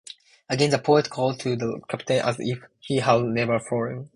Again the poet calls to the Captain as if he had never fallen.